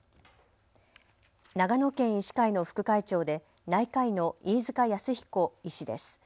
長野県医師会の副会長で内科医の飯塚康彦医師です。